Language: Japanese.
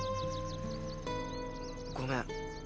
ごめん。